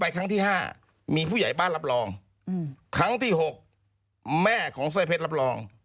ครั้งที่๖บัตรหาย